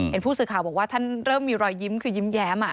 เห็นผู้สื่อข่าวบอกว่าท่านเริ่มมีรอยยิ้มคือยิ้มแย้ม